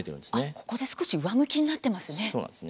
ここで少し上向きになっていますね。